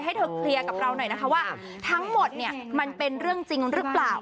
ให้เธอเคลียร์กับเราหน่อยนะคะว่าทั้งหมดเนี่ยมันเป็นเรื่องจริงหรือเปล่า